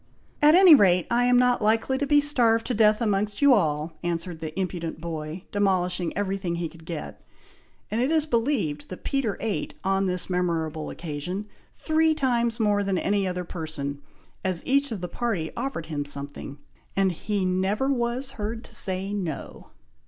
"At any rate, I am not likely to be starved to death amongst you all!" answered the impudent boy, demolishing every thing he could get; and it is believed that Peter ate, on this memorable occasion, three times more than any other person, as each of the party offered him something, and he never was heard to say, "No!"